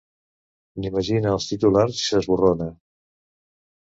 N'imagina els titulars i s'esborrona.